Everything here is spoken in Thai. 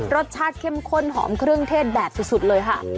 รสชาติเข้มข้นหอมเครื่องเทศแบบสุดเลยค่ะ